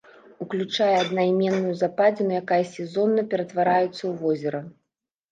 Уключае аднайменную западзіну, якая сезонна ператвараецца ў возера.